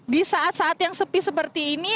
di saat saat yang sepi seperti ini